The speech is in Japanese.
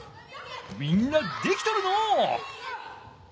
みんなできとるのう。